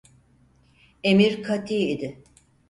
Emir kati idi.